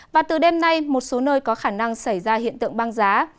và từ đêm nay một số nơi có khả năng xảy ra hiện tượng băng giá